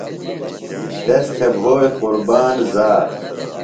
تس تھۡے بھوئی قُربان زار